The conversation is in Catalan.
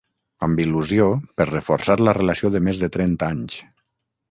Amb il·lusió, per reforçar la relació de més de trenta anys...